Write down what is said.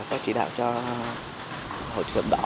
có chỉ đạo cho hội trưởng đó